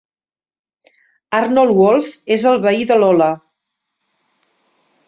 Arnold Wolf: és el veí de Lola.